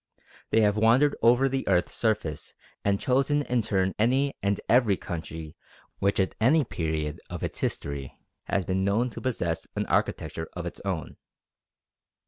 They have wandered over the earth's surface and chosen in turn any and every country which at any period of its history has been known to possess an architecture of its own.